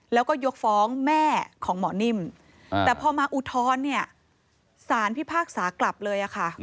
แล้วก็ยกฟ้องแม่ของหมอนิ่มแต่พอมาอุทธรณ์เนี่ยสารพิพากษากลับเลยค่ะ